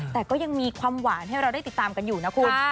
แต่ก็ยังมีความหวานให้เราได้ติดตามกันอยู่นะคุณ